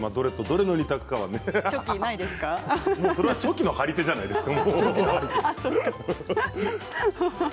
その動作はチョキの張り手じゃないですか。